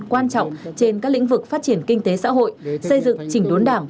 quan trọng trên các lĩnh vực phát triển kinh tế xã hội xây dựng chỉnh đốn đảng